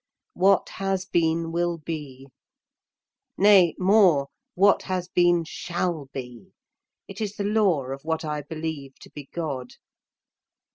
What has been will be. Nay, more, what has been shall be. It is the Law of what I believe to be God....